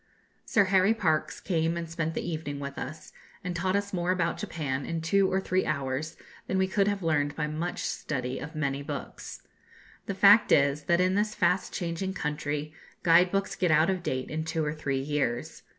Sir Harry Parkes came and spent the evening with us, and taught us more about Japan in two or three hours than we could have learned by much study of many books. The fact is, that in this fast changing country guide books get out of date in two or three years.